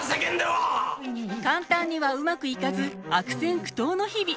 簡単にはうまくいかず悪戦苦闘の日々。